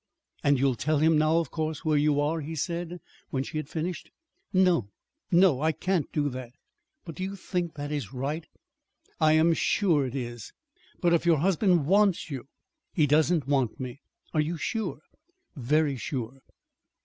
"And you'll tell him now, of course where you are," he said, when she had finished. "No, no! I can't do that." "But do you think that is right?" "I am sure it is." "But if your husband wants you " "He doesn't want me." "Are you sure?" "Very sure."